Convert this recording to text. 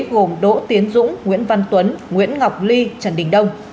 gồm đỗ tiến dũng nguyễn văn tuấn nguyễn ngọc ly trần đình đông